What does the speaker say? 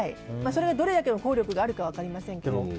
それがどれだけの効力があるか分かりませんけどね。